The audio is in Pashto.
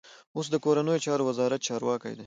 اوس د کورنیو چارو وزارت چارواکی دی.